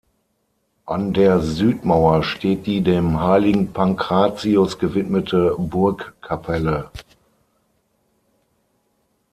An der Südmauer steht die dem Heiligen Pankratius gewidmete Burgkapelle.